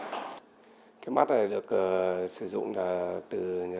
cái mắt này được sử dụng